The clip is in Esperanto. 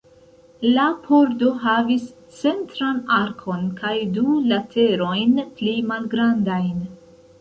La pordo havis centran arkon kaj du laterojn pli malgrandajn.